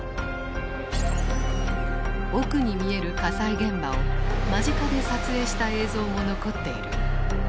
奥に見える火災現場を間近で撮影した映像も残っている。